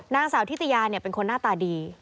นางสาวทิตยาเป็นคนหน้าตาดี